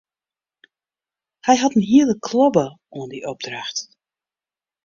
Hy hat in hiele klobbe oan dy opdracht.